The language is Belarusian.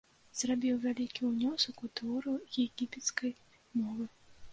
Зрабіў вялікі ўнёсак у тэорыю егіпецкай мовы.